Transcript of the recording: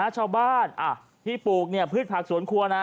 ชาวบ้านที่ปลูกพืชผักสวนครัวนะ